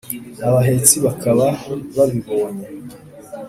abahetsi bakaba babibonye,